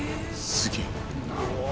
すげえ。